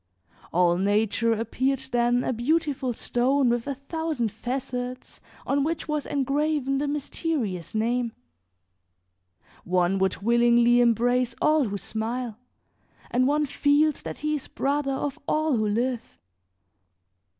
All nature appeared then a beautiful stone with a thousand facets on which was engraven the mysterious name. One would willingly embrace all who smile, and one feels that he is brother of all who live.